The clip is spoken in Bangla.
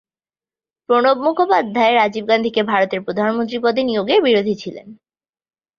প্রণব মুখোপাধ্যায় রাজীব গান্ধীকে ভারতের প্রধানমন্ত্রী পদে নিয়োগের বিরোধী ছিলেন।